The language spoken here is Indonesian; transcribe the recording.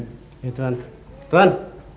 iya tuhan tuhan